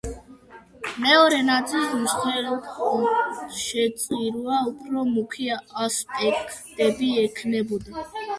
მეორე ნაწილს, „მსხვერპლშეწირვა“, უფრო მუქი ასპექტები ექნებოდა.